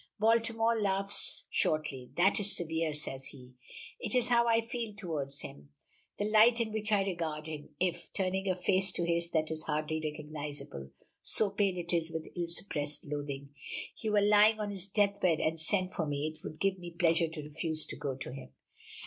'" Baltimore laughs shortly. "That is severe," says he. "It is how I feel toward him; the light in which I regard him. If," turning a face to his that is hardly recognizable, so pale it is with ill suppressed loathing, "he were lying on his deathbed and sent for me, it would give me pleasure to refuse to go to him."